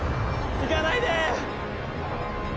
行かないで。